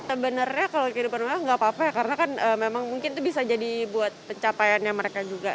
sebenarnya kalau hidup mewah gak apa apa ya karena kan memang mungkin itu bisa jadi buat pencapaiannya mereka juga